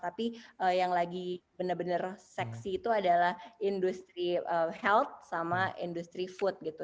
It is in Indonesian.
tapi yang lagi bener bener seksi itu adalah industri health sama industri food gitu